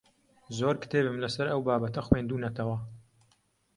زۆر کتێبم لەسەر ئەو بابەتە خوێندوونەتەوە.